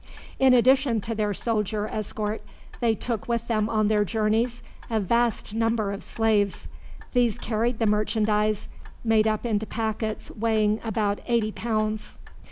In addition to their soldier escort, they took with them on their journeys a vast number of slaves. These carried the merchandise, made up into packets weighing about eighty pounds.